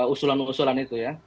usulan usulan itu ya